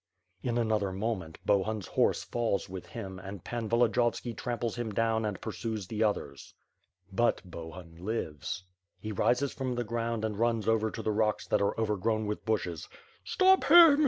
In another moment, Bohun's horse falls with him and Pan Volodiyovski tramples him down and pursues the others. But Bohun lives. He rises from the ground and runs over to the rocks that are overgrown with bushes. "Stop him!